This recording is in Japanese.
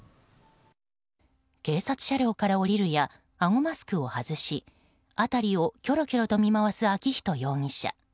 警察車両から降りるやあごマスクを外し辺りをきょろきょろと見回す昭仁容疑者。